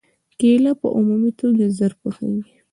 کېله په عمومي توګه ژر پخېږي.